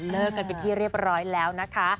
เลิกกันไปที่เรียบร้อยแล้วนะคะ